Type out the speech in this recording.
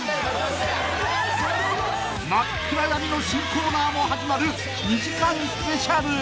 ［真っ暗闇の新コーナーも始まる２時間スペシャル］